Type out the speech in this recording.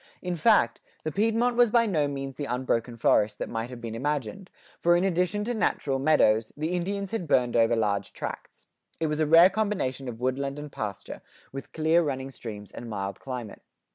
In fact, the Piedmont was by no means the unbroken forest that might have been imagined, for in addition to natural meadows, the Indians had burned over large tracts.[89:2] It was a rare combination of woodland and pasture, with clear running streams and mild climate.